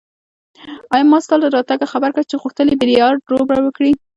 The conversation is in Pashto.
ما ستا له راتګه خبر کړ چې غوښتل يې بیلیارډ لوبه وکړي.